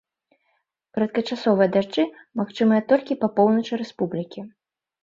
Кароткачасовыя дажджы магчымыя толькі па поўначы рэспублікі.